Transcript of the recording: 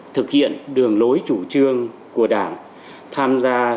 thực hiện đường lối chủ trương của đảng tham gia giáo dục